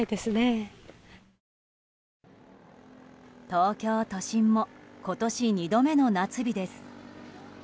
東京都心も今年２度目の夏日です。